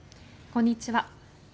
こんにちは。